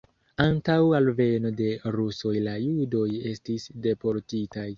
Antaŭ alveno de rusoj la judoj estis deportitaj.